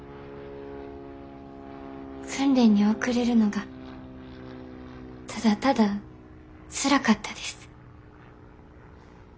訓練に遅れるのがただただつらかったです。